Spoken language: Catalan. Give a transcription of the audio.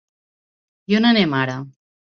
I on anem ara?